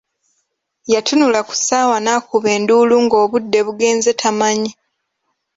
Yatunula ku ssaawa n'akuba n'enduulu ng'obudde bugenze tamanyi.